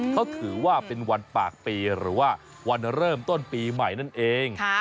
เขาถือว่าเป็นวันปากปีหรือว่าวันเริ่มต้นปีใหม่นั่นเอง